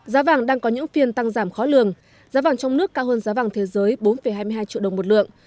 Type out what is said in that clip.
giá vàng đang có những phiên tăng giảm khó lường giá vàng trong nước cao hơn giá vàng thế giới bốn hai mươi hai triệu đồng một lượng